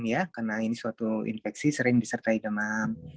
karena ini suatu infeksi sering disertai demam